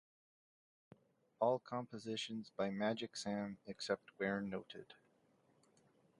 All compositions by Magic Sam except where noted